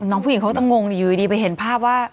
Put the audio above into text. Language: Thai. น้องผู้หญิงเขาก็งงอยู่ดีไปเห็นภาพว่า